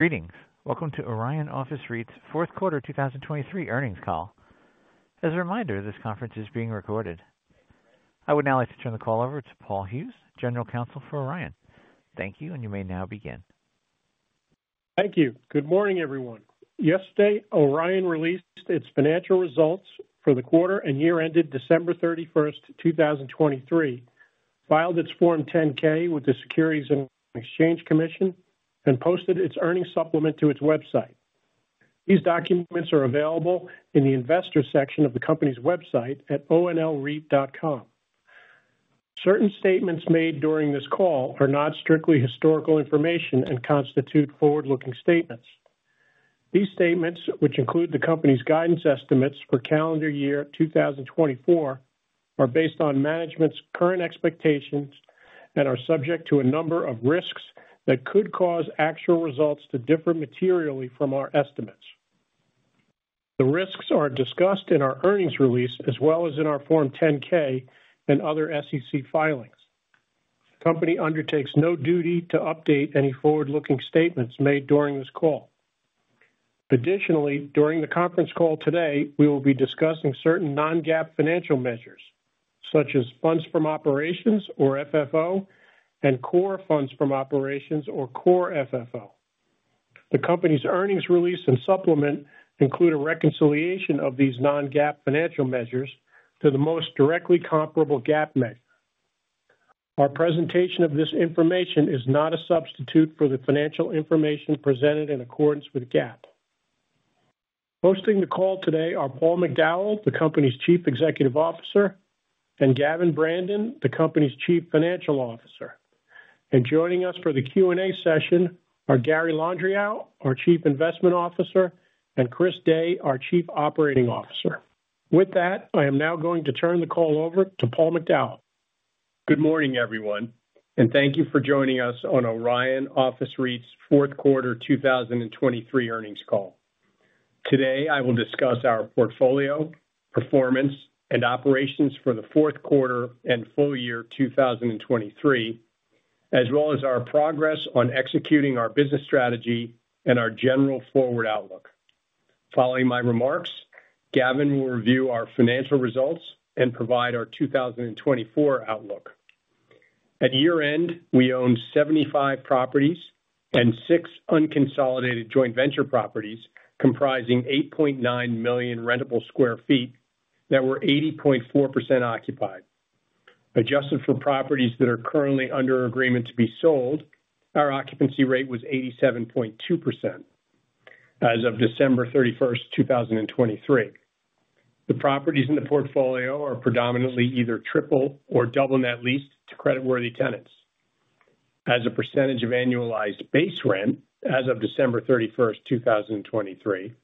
Greetings. Welcome to Orion Office REIT's fourth quarter 2023 earnings call. As a reminder, this conference is being recorded. I would now like to turn the call over to Paul Hughes, General Counsel for Orion. Thank you, and you may now begin. Thank you. Good morning, everyone. Yesterday, Orion released its financial results for the quarter and year ended December 31st, 2023, filed its Form 10-K with the Securities and Exchange Commission, and posted its earnings supplement to its website. These documents are available in the Investor section of the company's website at onlreit.com. Certain statements made during this call are not strictly historical information and constitute forward-looking statements. These statements, which include the company's guidance estimates for calendar year 2024, are based on management's current expectations and are subject to a number of risks that could cause actual results to differ materially from our estimates. The risks are discussed in our earnings release as well as in our Form 10-K and other SEC filings. The company undertakes no duty to update any forward-looking statements made during this call. Additionally, during the conference call today, we will be discussing certain non-GAAP financial measures, such as Funds from Operations or FFO and Core Funds from Operations or Core FFO. The company's earnings release and supplement include a reconciliation of these non-GAAP financial measures to the most directly comparable GAAP measure. Our presentation of this information is not a substitute for the financial information presented in accordance with GAAP. Hosting the call today are Paul McDowell, the company's Chief Executive Officer, and Gavin Brandon, the company's Chief Financial Officer. Joining us for the Q&A session are Gary Landriau, our Chief Investment Officer, and Chris Day, our Chief Operating Officer. With that, I am now going to turn the call over to Paul McDowell. Good morning, everyone, and thank you for joining us on Orion Office REIT's fourth quarter 2023 earnings call. Today, I will discuss our portfolio, performance, and operations for the fourth quarter and full year 2023, as well as our progress on executing our business strategy and our general forward outlook. Following my remarks, Gavin will review our financial results and provide our 2024 outlook. At year-end, we owned 75 properties and six unconsolidated joint venture properties comprising 8.9 million rentable sq ft that were 80.4% occupied. Adjusted for properties that are currently under agreement to be sold, our occupancy rate was 87.2% as of December 31st, 2023. The properties in the portfolio are predominantly either triple or double net leased to creditworthy tenants. As a percentage of annualized base rent as of December 31st, 2023,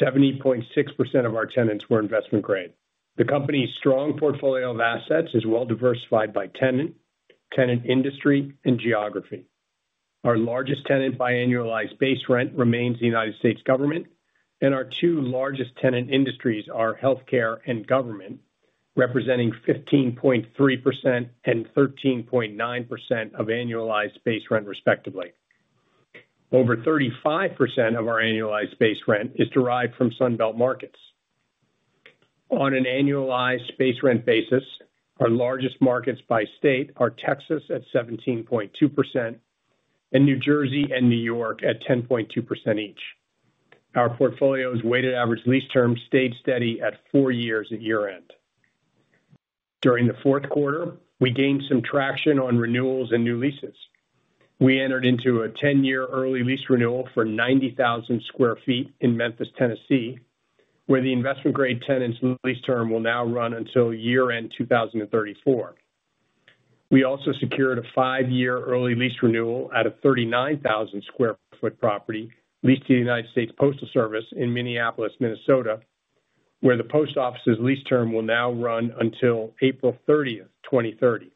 70.6% of our tenants were investment grade. The company's strong portfolio of assets is well diversified by tenant, tenant industry, and geography. Our largest tenant by annualized base rent remains the United States government, and our two largest tenant industries are healthcare and government, representing 15.3% and 13.9% of annualized base rent, respectively. Over 35% of our annualized base rent is derived from Sunbelt markets. On an annualized base rent basis, our largest markets by state are Texas at 17.2% and New Jersey and New York at 10.2% each. Our portfolio's weighted average lease term stayed steady at four years at year-end. During the fourth quarter, we gained some traction on renewals and new leases. We entered into a 10-year early lease renewal for 90,000 sq ft in Memphis, Tennessee, where the investment-grade tenant's lease term will now run until year-end 2034. We also secured a five-year early lease renewal at a 39,000 sq ft property leased to the United States Postal Service in Minneapolis, Minnesota, where the post office's lease term will now run until April 30th, 2030.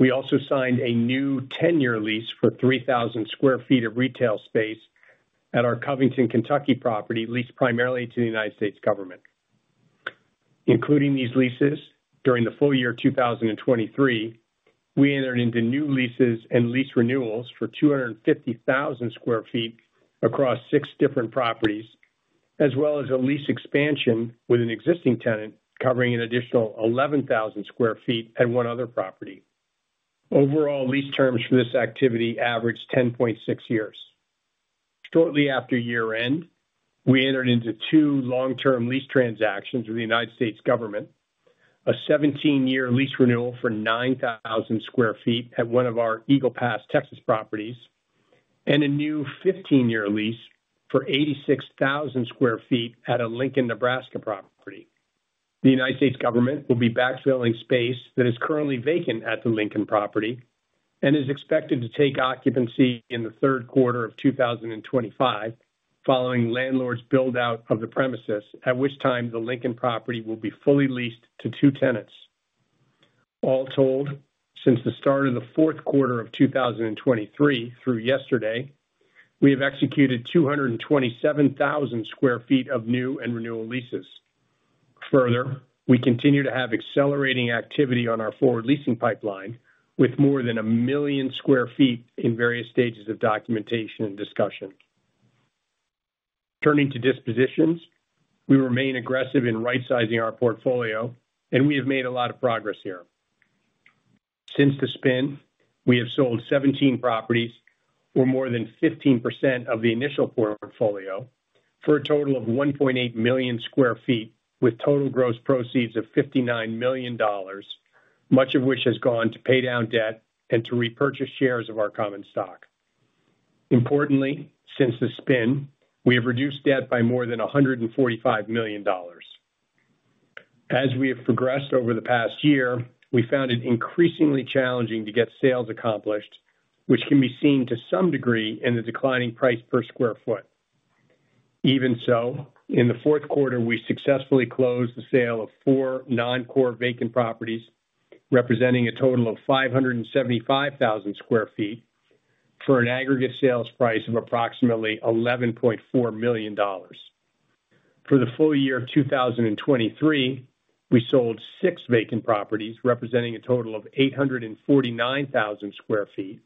We also signed a new 10-year lease for 3,000 sq ft of retail space at our Covington, Kentucky property leased primarily to the United States government. Including these leases, during the full year 2023, we entered into new leases and lease renewals for 250,000 sq ft across six different properties, as well as a lease expansion with an existing tenant covering an additional 11,000 sq ft at one other property. Overall, lease terms for this activity averaged 10.6 years. Shortly after year-end, we entered into two long-term lease transactions with the United States government: a 17-year lease renewal for 9,000 sq ft at one of our Eagle Pass, Texas properties and a new 15-year lease for 86,000 sq ft at a Lincoln, Nebraska property. The United States government will be backfilling space that is currently vacant at the Lincoln property and is expected to take occupancy in the third quarter of 2025 following landlord's build-out of the premises, at which time the Lincoln property will be fully leased to two tenants. All told, since the start of the fourth quarter of 2023 through yesterday, we have executed 227,000 sq ft of new and renewal leases. Further, we continue to have accelerating activity on our forward leasing pipeline with more than 1 million sq ft in various stages of documentation and discussion. Turning to dispositions, we remain aggressive in right-sizing our portfolio, and we have made a lot of progress here. Since the spin, we have sold 17 properties or more than 15% of the initial portfolio for a total of 1.8 million sq ft with total gross proceeds of $59 million, much of which has gone to pay down debt and to repurchase shares of our common stock. Importantly, since the spin, we have reduced debt by more than $145 million. As we have progressed over the past year, we found it increasingly challenging to get sales accomplished, which can be seen to some degree in the declining price per sq ft. Even so, in the fourth quarter, we successfully closed the sale of four non-core vacant properties representing a total of 575,000 sq ft for an aggregate sales price of approximately $11.4 million. For the full year 2023, we sold six vacant properties representing a total of 849,000 sq ft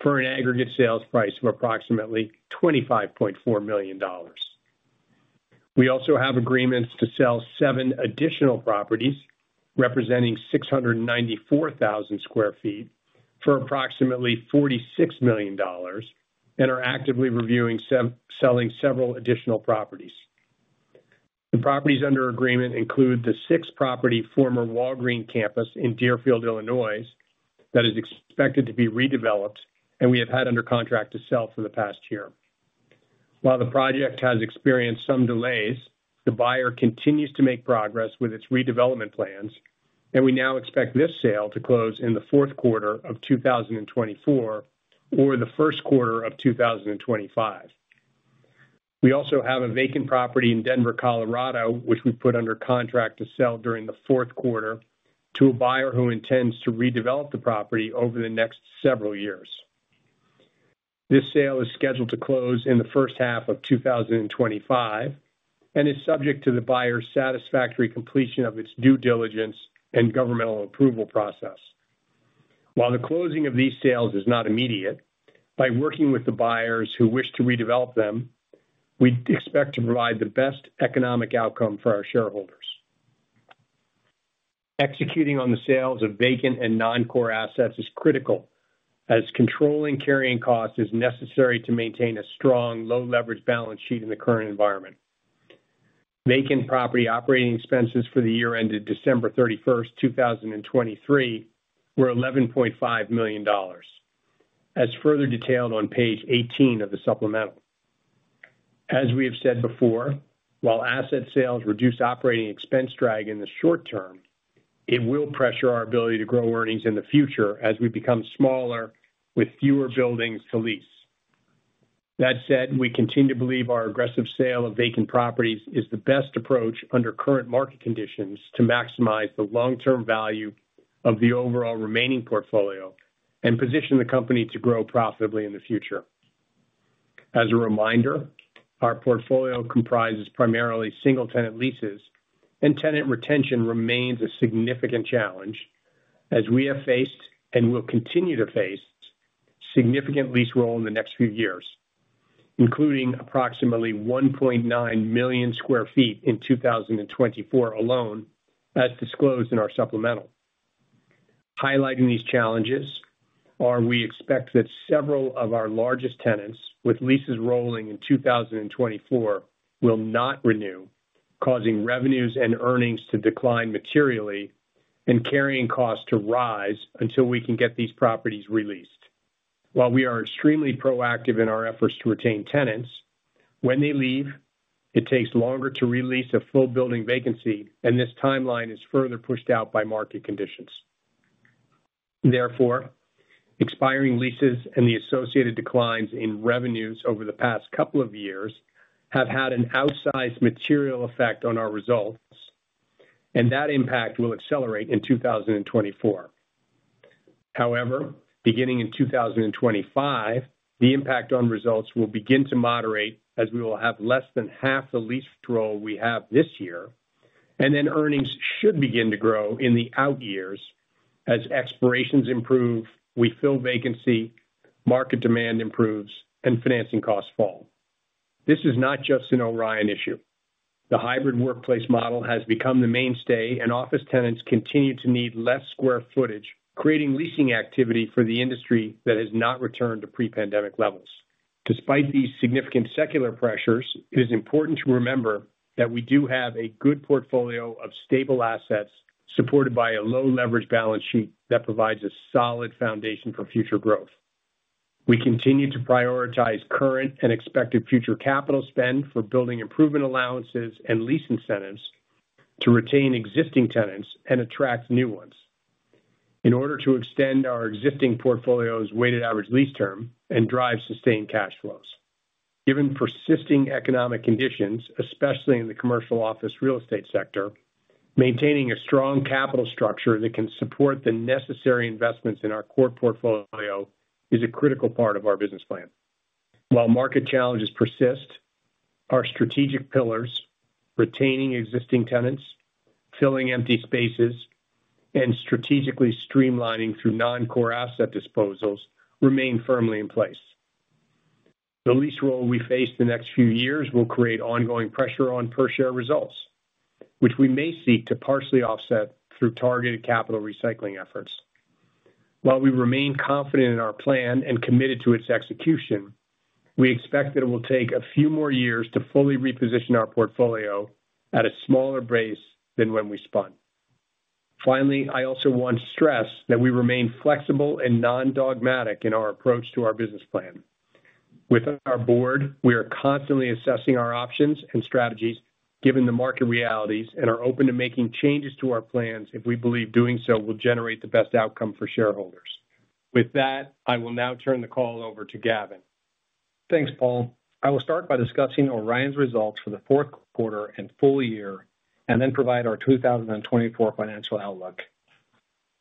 for an aggregate sales price of approximately $25.4 million. We also have agreements to sell seven additional properties representing 694,000 sq ft for approximately $46 million and are actively reviewing selling several additional properties. The properties under agreement include the six-property former Walgreens campus in Deerfield, Illinois, that is expected to be redeveloped, and we have had under contract to sell for the past year. While the project has experienced some delays, the buyer continues to make progress with its redevelopment plans, and we now expect this sale to close in the fourth quarter of 2024 or the first quarter of 2025. We also have a vacant property in Denver, Colorado, which we put under contract to sell during the fourth quarter to a buyer who intends to redevelop the property over the next several years. This sale is scheduled to close in the first half of 2025 and is subject to the buyer's satisfactory completion of its due diligence and governmental approval process. While the closing of these sales is not immediate, by working with the buyers who wish to redevelop them, we expect to provide the best economic outcome for our shareholders. Executing on the sales of vacant and non-core assets is critical, as controlling carrying costs is necessary to maintain a strong, low-leverage balance sheet in the current environment. Vacant property operating expenses for the year ended December 31st, 2023, were $11.5 million, as further detailed on page 18 of the supplemental. As we have said before, while asset sales reduce operating expense drag in the short term, it will pressure our ability to grow earnings in the future as we become smaller with fewer buildings to lease. That said, we continue to believe our aggressive sale of vacant properties is the best approach under current market conditions to maximize the long-term value of the overall remaining portfolio and position the company to grow profitably in the future. As a reminder, our portfolio comprises primarily single-tenant leases, and tenant retention remains a significant challenge as we have faced and will continue to face significant lease roll in the next few years, including approximately 1.9 million sq ft in 2024 alone, as disclosed in our supplemental. Highlighting these challenges, we expect that several of our largest tenants, with leases rolling in 2024, will not renew, causing revenues and earnings to decline materially and carrying costs to rise until we can get these properties re-leased. While we are extremely proactive in our efforts to retain tenants, when they leave, it takes longer to re-lease a full building vacancy, and this timeline is further pushed out by market conditions. Therefore, expiring leases and the associated declines in revenues over the past couple of years have had an outsized material effect on our results, and that impact will accelerate in 2024. However, beginning in 2025, the impact on results will begin to moderate as we will have less than half the lease roll we have this year, and then earnings should begin to grow in the out years as expirations improve, we fill vacancy, market demand improves, and financing costs fall. This is not just an Orion issue. The hybrid workplace model has become the mainstay, and office tenants continue to need less square footage, creating leasing activity for the industry that has not returned to pre-pandemic levels. Despite these significant secular pressures, it is important to remember that we do have a good portfolio of stable assets supported by a low-leverage balance sheet that provides a solid foundation for future growth. We continue to prioritize current and expected future capital spend for building improvement allowances and lease incentives to retain existing tenants and attract new ones in order to extend our existing portfolio's weighted average lease term and drive sustained cash flows. Given persisting economic conditions, especially in the commercial office real estate sector, maintaining a strong capital structure that can support the necessary investments in our core portfolio is a critical part of our business plan. While market challenges persist, our strategic pillars retaining existing tenants, filling empty spaces, and strategically streamlining through non-core asset disposals remain firmly in place. The lease roll we face the next few years will create ongoing pressure on per-share results, which we may seek to partially offset through targeted capital recycling efforts. While we remain confident in our plan and committed to its execution, we expect that it will take a few more years to fully reposition our portfolio at a smaller base than when we spun. Finally, I also want to stress that we remain flexible and non-dogmatic in our approach to our business plan. With our board, we are constantly assessing our options and strategies given the market realities and are open to making changes to our plans if we believe doing so will generate the best outcome for shareholders. With that, I will now turn the call over to Gavin. Thanks, Paul. I will start by discussing Orion's results for the fourth quarter and full year and then provide our 2024 financial outlook.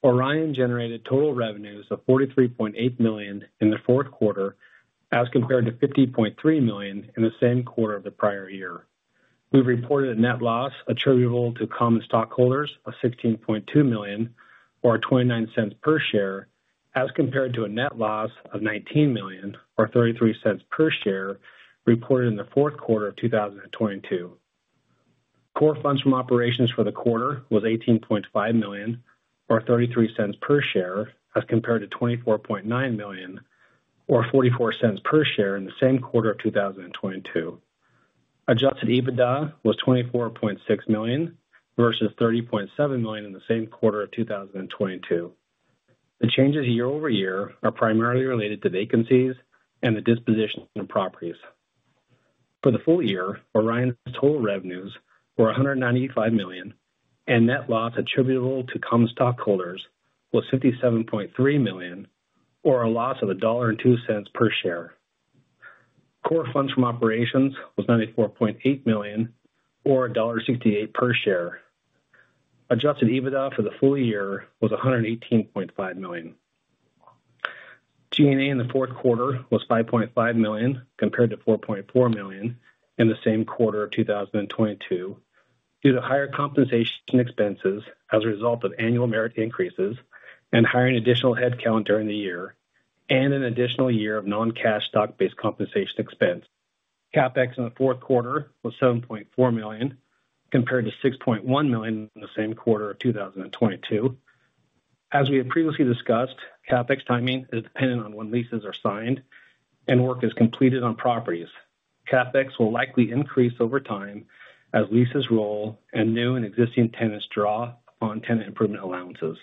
Orion generated total revenues of $43.8 million in the fourth quarter as compared to $50.3 million in the same quarter of the prior year. We've reported a net loss attributable to common stockholders of $16.2 million or $0.29 per share as compared to a net loss of $19 million or $0.33 per share reported in the fourth quarter of 2022. Core Funds from Operations for the quarter was $18.5 million or $0.33 per share as compared to $24.9 million or $0.44 per share in the same quarter of 2022. Adjusted EBITDA was $24.6 million versus $30.7 million in the same quarter of 2022. The changes year-over-year are primarily related to vacancies and the disposition of properties. For the full year, Orion's total revenues were $195 million, and net loss attributable to common stockholders was $57.3 million or a loss of $1.02 per share. Core Funds from Operations was $94.8 million or $1.68 per share. Adjusted EBITDA for the full year was $118.5 million. G&A in the fourth quarter was $5.5 million compared to $4.4 million in the same quarter of 2022 due to higher compensation expenses as a result of annual merit increases and hiring additional headcount during the year and an additional year of non-cash stock-based compensation expense. CapEx in the fourth quarter was $7.4 million compared to $6.1 million in the same quarter of 2022. As we have previously discussed, CapEx timing is dependent on when leases are signed and work is completed on properties. CapEx will likely increase over time as leases roll and new and existing tenants draw upon tenant improvement allowances.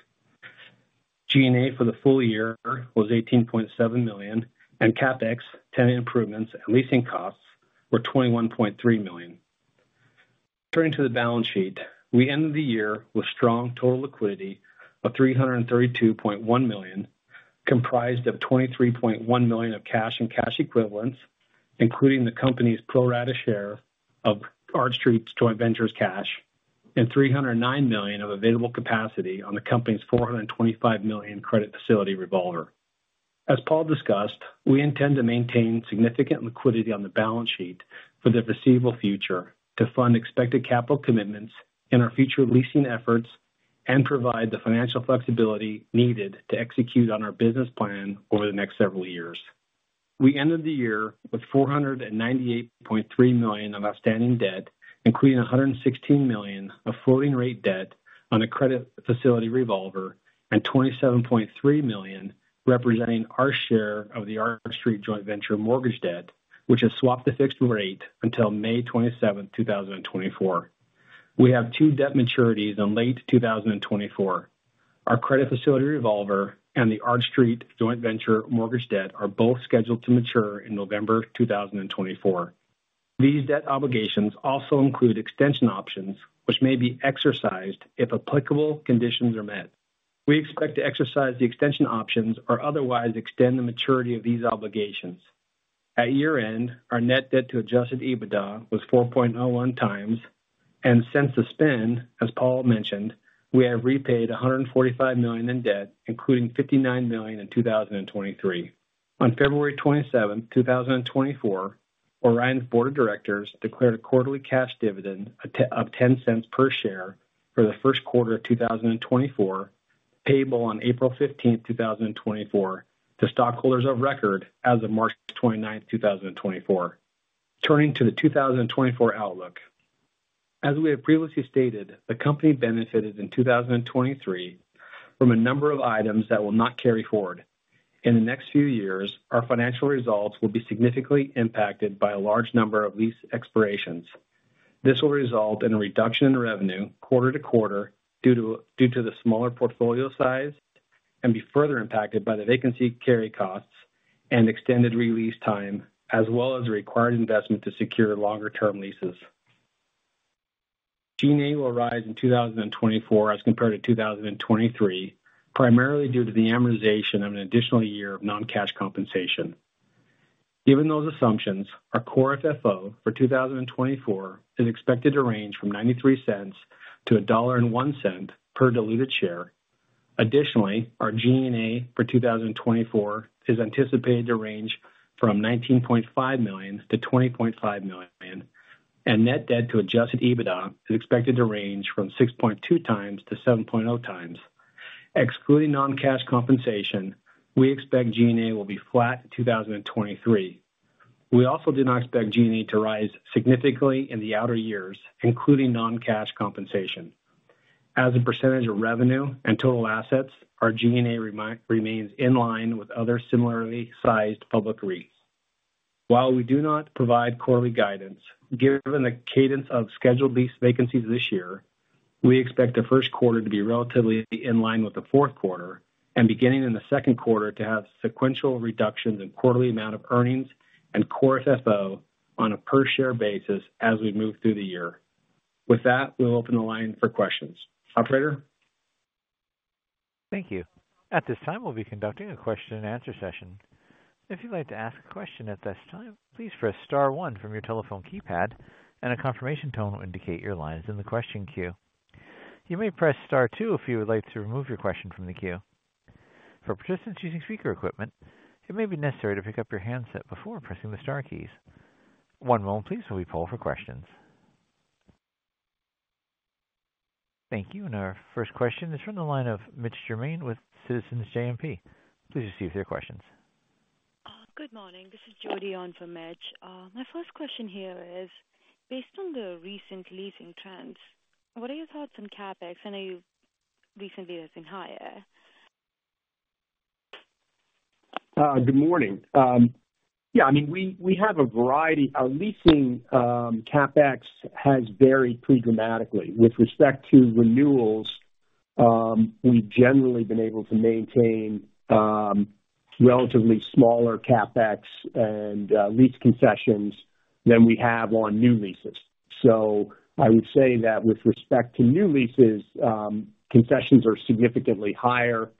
G&A for the full year was $18.7 million, and CapEx, tenant improvements, and leasing costs were $21.3 million. Turning to the balance sheet, we ended the year with strong total liquidity of $332.1 million comprised of $23.1 million of cash and cash equivalents, including the company's pro-rata share of Arch Street Joint Ventures cash and $309 million of available capacity on the company's $425 million credit facility revolver. As Paul discussed, we intend to maintain significant liquidity on the balance sheet for the foreseeable future to fund expected capital commitments in our future leasing efforts and provide the financial flexibility needed to execute on our business plan over the next several years. We ended the year with $498.3 million of outstanding debt, including $116 million of floating-rate debt on a credit facility revolver and $27.3 million representing our share of the Art Street Joint Venture mortgage debt, which has swapped the fixed rate until May 27th, 2024. We have two debt maturities in late 2024. Our credit facility revolver and the Art Street Joint Venture mortgage debt are both scheduled to mature in November 2024. These debt obligations also include extension options, which may be exercised if applicable conditions are met. We expect to exercise the extension options or otherwise extend the maturity of these obligations. At year-end, our net debt to Adjusted EBITDA was 4.01 times, and since the spin, as Paul mentioned, we have repaid $145 million in debt, including $59 million in 2023. On February 27th, 2024, Orion's board of directors declared a quarterly cash dividend of $0.10 per share for the first quarter of 2024 payable on April 15th, 2024, to stockholders of record as of March 29th, 2024. Turning to the 2024 outlook, as we have previously stated, the company benefited in 2023 from a number of items that will not carry forward. In the next few years, our financial results will be significantly impacted by a large number of lease expirations. This will result in a reduction in revenue quarter to quarter due to the smaller portfolio size and be further impacted by the vacancy carry costs and extended release time as well as the required investment to secure longer-term leases. G&A will rise in 2024 as compared to 2023 primarily due to the amortization of an additional year of non-cash compensation. Given those assumptions, our Core FFO for 2024 is expected to range from $0.93-$1.01 per diluted share. Additionally, our G&A for 2024 is anticipated to range from $19.5 million-$20.5 million, and net debt to Adjusted EBITDA is expected to range from 6.2x-7.0x. Excluding non-cash compensation, we expect G&A will be flat in 2023. We also do not expect G&A to rise significantly in the outer years, including non-cash compensation. As a percentage of revenue and total assets, our G&A remains in line with other similarly sized public REITs. While we do not provide quarterly guidance, given the cadence of scheduled lease vacancies this year, we expect the first quarter to be relatively in line with the fourth quarter and beginning in the second quarter to have sequential reductions in quarterly amount of earnings and Core FFO on a per-share basis as we move through the year. With that, we'll open the line for questions. Operator? Thank you. At this time, we'll be conducting a question-and-answer session. If you'd like to ask a question at this time, please press star one from your telephone keypad, and a confirmation tone will indicate your line is in the question queue. You may press star two if you would like to remove your question from the queue. For participants using speaker equipment, it may be necessary to pick up your handset before pressing the star keys. One moment, please, while we poll for questions. Thank you. Our first question is from the line of Mitch Germain with Citizens JMP. Please proceed with your question. Good morning. This is Jodi On for Mitch. My first question here is, based on the recent leasing trends, what are your thoughts on CapEx, and has it recently been higher? Good morning. Yeah. I mean, we have a variety. Our leasing CapEx has varied pretty dramatically. With respect to renewals, we've generally been able to maintain relatively smaller CapEx and lease concessions than we have on new leases. So I would say that with respect to new leases, concessions are significantly higher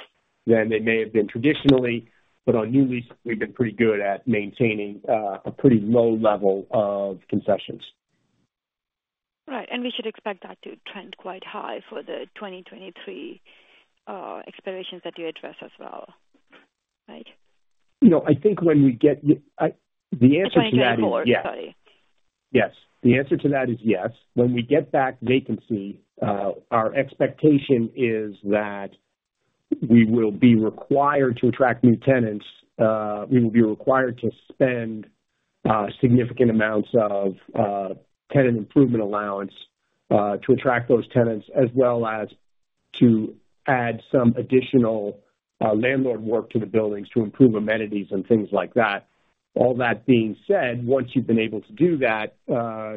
than they may have been traditionally, but on new leases, we've been pretty good at maintaining a pretty low level of concessions. Right. And we should expect that to trend quite high for the 2023 expirations that you address as well, right? I think when we get the answer to that is yes. 2024, sorry. Yes. The answer to that is yes. When we get back vacancy, our expectation is that we will be required to attract new tenants. We will be required to spend significant amounts of tenant improvement allowance to attract those tenants as well as to add some additional landlord work to the buildings to improve amenities and things like that. All that being said, once you've been able to do that,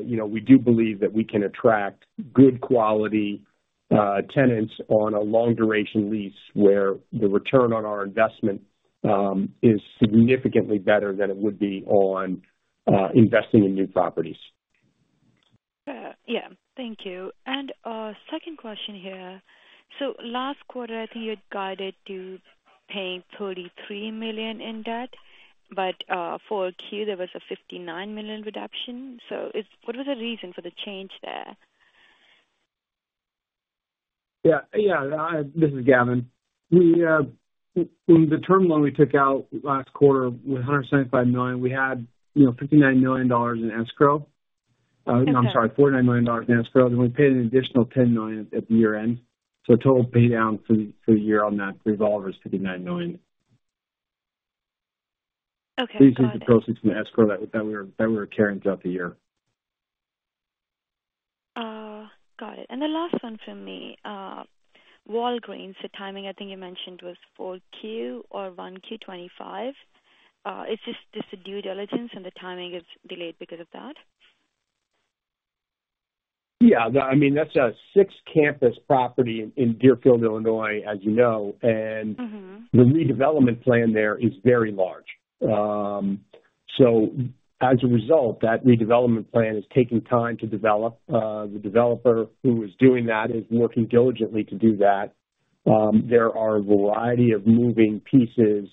we do believe that we can attract good-quality tenants on a long-duration lease where the return on our investment is significantly better than it would be on investing in new properties. Yeah. Thank you. And second question here. So last quarter, I think you had guided to paying $33 million in debt, but for Q, there was a $59 million reduction. So what was the reason for the change there? Yeah. Yeah. This is Gavin. The term loan we took out last quarter with $175 million, we had $59 million in escrow. I'm sorry, $49 million in escrow. Then we paid an additional $10 million at the year-end. So total paydown for the year on that revolver is $59 million. Leases and proceeds from the escrow that we were carrying throughout the year. Got it. The last one from me, Walgreens, the timing, I think you mentioned was for Q or 1Q 2025. Is this due diligence, and the timing is delayed because of that? Yeah. I mean, that's a six-campus property in Deerfield, Illinois, as you know, and the redevelopment plan there is very large. So as a result, that redevelopment plan is taking time to develop. The developer who is doing that is working diligently to do that. There are a variety of moving pieces,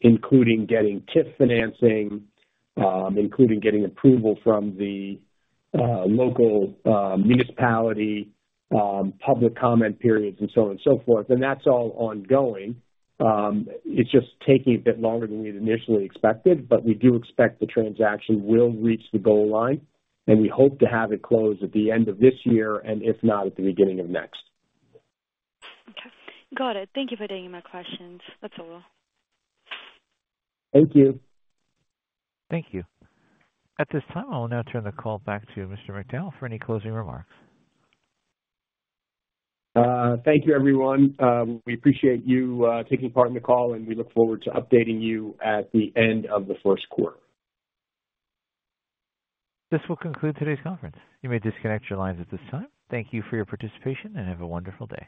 including getting TIF financing, including getting approval from the local municipality, public comment periods, and so on and so forth. And that's all ongoing. It's just taking a bit longer than we had initially expected, but we do expect the transaction will reach the goal line, and we hope to have it closed at the end of this year and, if not, at the beginning of next. Okay. Got it. Thank you for taking my questions. That's all. Thank you. Thank you. At this time, I will now turn the call back to Mr. McDowell for any closing remarks. Thank you, everyone. We appreciate you taking part in the call, and we look forward to updating you at the end of the first quarter. This will conclude today's conference. You may disconnect your lines at this time. Thank you for your participation, and have a wonderful day.